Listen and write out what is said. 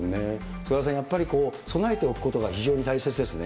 菅原さん、やっぱり備えておくことが非常に大切ですね。